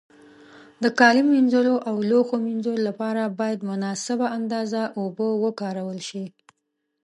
د کالي مینځلو او لوښو مینځلو له پاره باید مناسبه اندازه اوبو وکارول شي.